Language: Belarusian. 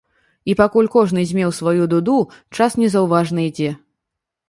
І пакуль кожны дзьме ў сваю дуду, час незаўважна ідзе.